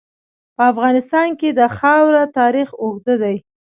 په افغانستان کې د خاوره تاریخ اوږد دی.